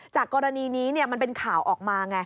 กรณีนี้มันเป็นข่าวออกมาไง